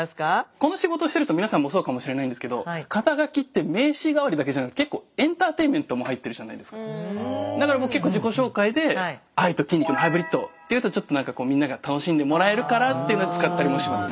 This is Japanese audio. この仕事してると皆さんもそうかもしれないんですけどだから僕結構自己紹介で「愛と筋肉のハイブリッド」って言うとちょっと何かみんなが楽しんでもらえるからっていうので使ったりもしますね。